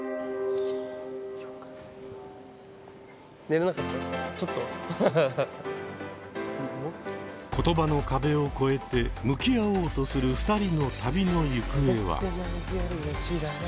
例えば言葉の壁を超えて向き合おうとする２人の旅の行方は？